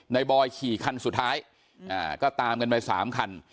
ในบอยขี่คันสุดท้ายอ่าก็ตามกันไปสามคัน